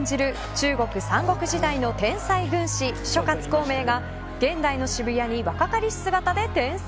中国三国時代の天才軍師諸葛孔明が現代の渋谷に若かりし姿で転生。